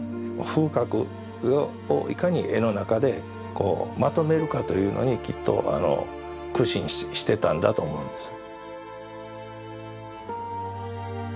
風格をいかに絵の中でこうまとめるかというのにきっとあの苦心してたんだと思うんです。